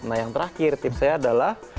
nah yang terakhir tips saya adalah